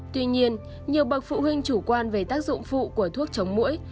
tuy nhiên nhiều bậc phụ huynh chủ quan về tác dụng phụ của thuốc chống mũi